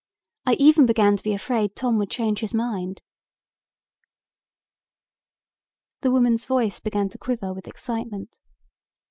I even began to be afraid Tom would change his mind." The woman's voice began to quiver with excitement.